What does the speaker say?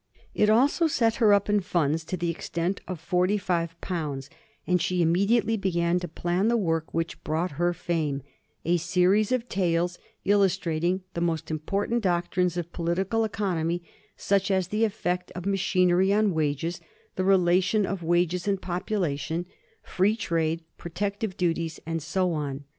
It also set her up in funds to the extent of £45, and she immediately began to plan the work which brought her fame—a series of tales illustrating the most important doctrines of political economy, such as the effect of machinery on wages, the relation of wages and population, free trade, protective duties, and so on.